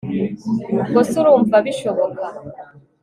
ubwo se urumva bishoboka!